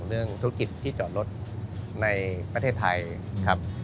เรื่องธุรกิจที่จอดรถในประเทศไทยครับ